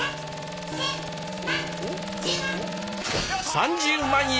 ３０万円！